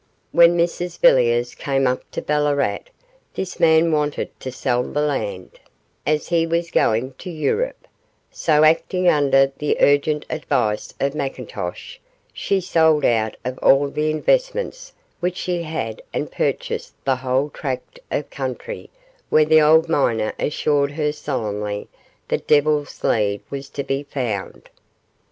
When Mrs Villiers came up to Ballarat, this man wanted to sell the land, as he was going to Europe; so, acting under the urgent advice of McIntosh, she sold out of all the investments which she had and purchased the whole tract of country where the old miner assured her solemnly the Devil's Lead was to be found.